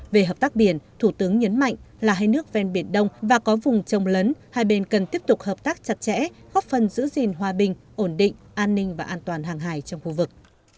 về hợp tác biển thủ tướng nhấn mạnh là hai nước ven biển đông và có vùng trông lấn hai bên cần tiếp tục hợp tác chặt chẽ góp phần giữ gìn hòa bình ổn định an ninh và an toàn hàng hài trong khu vực